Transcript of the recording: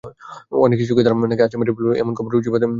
অনেক শিশুকে তারা নাকি আছড়ে মেরে ফেলে—এমন খবর রোজই বাতাসে ভেসে বেড়ায়।